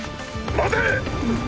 待て！